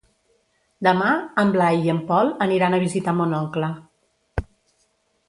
Demà en Blai i en Pol aniran a visitar mon oncle.